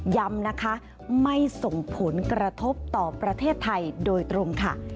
ย้ำนะคะไม่ส่งผลกระทบต่อประเทศไทยโดยตรงค่ะ